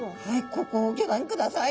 ここをギョ覧ください。